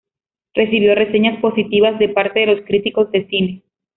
Recibió reseñas positivas de parte de los críticos de cine.